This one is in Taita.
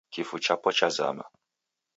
Kifu chapo chazama.